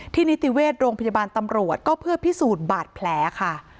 นิติเวชโรงพยาบาลตำรวจก็เพื่อพิสูจน์บาดแผลค่ะ